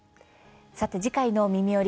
次回の「みみより！